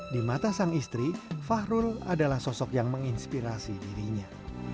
di mata sang istri fahrul adalah sosok yang menginspirasi dirinya